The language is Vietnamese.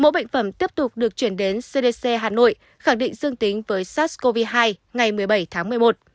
mẫu bệnh phẩm tiếp tục được chuyển đến cdc hà nội khẳng định dương tính với sars cov hai ngày một mươi bảy tháng một mươi một